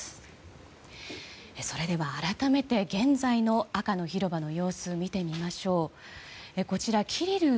それでは、改めて現在の赤の広場の様子を見てみましょう。